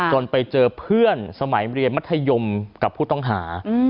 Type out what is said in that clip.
ไปเจอเพื่อนสมัยเรียนมัธยมกับผู้ต้องหา